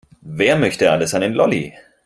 Wer möchte alles einen Lolli?